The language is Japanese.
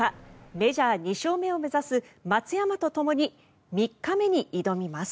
メジャー２勝目を目指す松山とともに３日目に挑みます。